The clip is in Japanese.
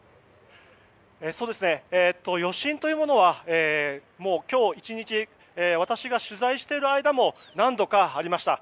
余震というものは今日１日私が取材している間も何度かありました。